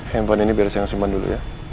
handphone ini biar saya simpan dulu ya